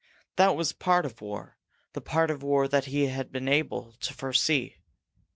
That was part of war, the part of war that he had been able to foresee.